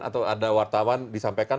atau ada wartawan disampaikan